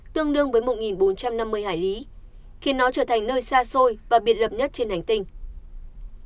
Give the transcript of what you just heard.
tương đương với một bốn trăm năm mươi hải lý khi nó trở thành nơi xa xôi và biệt lập nhất trên hành tinh